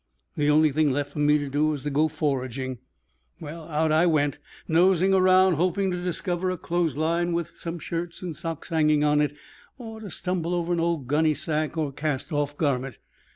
The only thing left for me to do was to go foraging. Out I went, nosing around, hoping to discover a clothesline with some shirts and socks hanging on it, or to stumble over an old gunnysack or cast off garment.